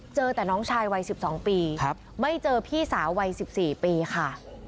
เจอแต่น้องชายวัยสิบสองปีครับไม่เจอพี่สาววัยสิบสี่ปีค่ะ